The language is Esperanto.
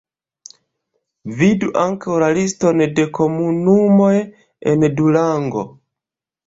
Vidu ankaŭ la liston de komunumoj en Durango.